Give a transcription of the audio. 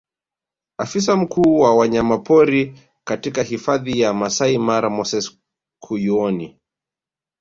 Afisa mkuu wa wanyamapori katika hifadhi ya Maasai Mara Moses Kuyuoni